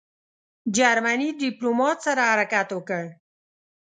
جرمني ډیپلوماټ سره حرکت وکړ.